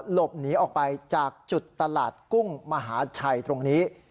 หลบหนีออกไปจากจุดตลาดกุ้งมหาชัยตรงนี้